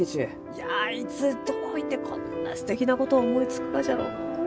いやいつどういてこんなすてきなことを思いつくがじゃろうのう？